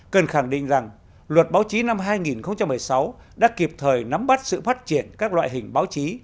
cần khẳng định rằng luật báo chí năm hai nghìn một mươi sáu đã kịp thời nắm bắt sự phát triển các loại hình báo chí